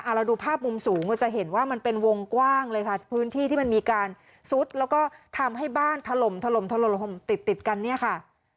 เราดูภาพมุมสูงก็จะเห็นว่ามันเป็นวงกว้างเลยค่ะพื้นที่ที่มันมีการซุดแล้วก็ทำให้บ้านถล่มถล่มถล่มติดติดกันเนี่ยค่ะ